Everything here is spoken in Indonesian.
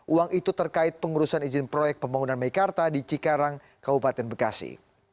uang itu terkait pengurusan izin proyek pembangunan meikarta di cikarang kabupaten bekasi